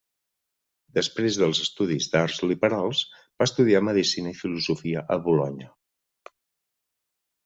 Després dels estudis d'arts liberals, va estudiar medicina i filosofia a Bolonya.